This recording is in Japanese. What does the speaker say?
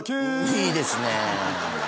いいですね。